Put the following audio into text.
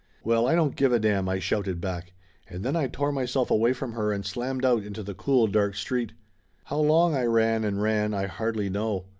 "Well, I don't give a damn !" I shouted back. And then I tore myself away from her and slammed out into the cool dark street. How long I ran and ran I hardly know.